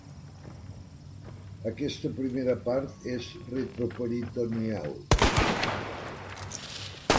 Aquesta primera part és retroperitoneal.